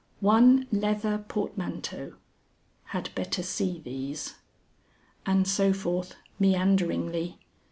"1 Leather Portmanteau (had better see these)." And so forth meanderingly.